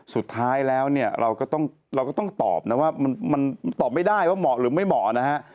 สุดท้ายแล้วเราก็ต้องตอบนะว่ามันตอบไม่ได้ว่าเหมาะหรือไม่เหมาะนะฮะ